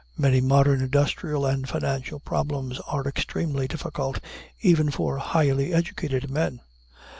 Many modern industrial and financial problems are extremely difficult, even for highly educated men.